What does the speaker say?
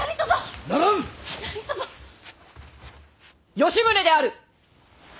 吉宗である！